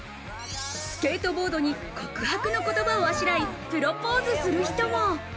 スケートボードに告白の言葉をあしらいプロポーズする人も。